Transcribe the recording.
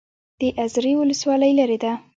د ازرې ولسوالۍ لیرې ده